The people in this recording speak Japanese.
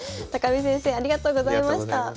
見先生ありがとうございました。